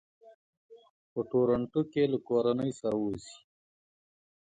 په ټورنټو کې له کورنۍ سره اوسي.